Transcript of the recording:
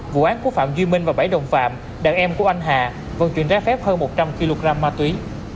vụ án của phạm duy minh và bảy đồng phạm đàn em của anh hà vận chuyển ra phép hơn một trăm linh kg ma túy